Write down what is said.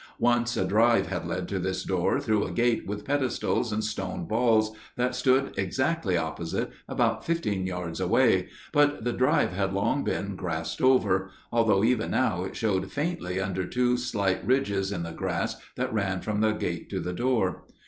Once a drive had led to this door through a gate with pedestals and stone balls, that stood exactly opposite, about fifteen yards away, but the drive had long been grassed over; although even now it showed faintly under two slight ridges in the grass that ran from the gate to the door.